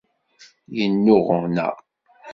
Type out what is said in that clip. Yennuɣna.